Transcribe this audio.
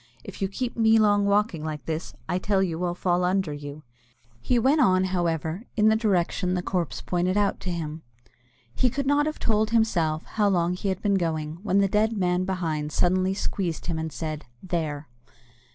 If you keep me long walking like this, I tell you I'll fall under you." He went on, however, in the direction the corpse pointed out to him. He could not have told, himself, how long he had been going, when the dead man behind suddenly squeezed him, and said, "There!"